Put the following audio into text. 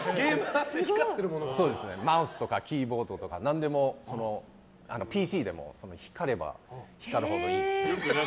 マウスとかキーボードとか何でもＰＣでも光れば光るほどいい。